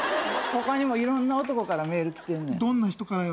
他にもいろんな男からメール来てんねん。